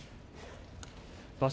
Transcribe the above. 場所